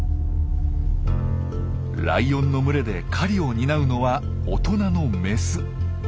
ライオンの群れで狩りを担うのは大人のメス。